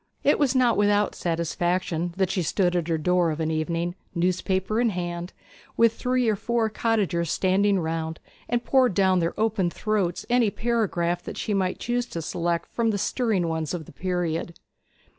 It was not without satisfaction that she stood at her door of an evening, newspaper in hand, with three or four cottagers standing round, and poured down their open throats any paragraph that she might choose to select from the stirring ones of the period.